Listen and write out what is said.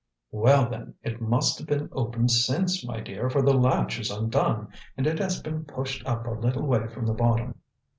"Well, then, it must have been opened since, my dear, for the latch is undone, and it has been pushed up a little way from the bottom.